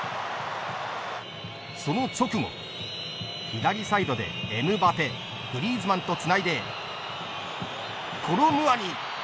その直後左サイドでエムバペグリーズマンとつないでコロムアニ。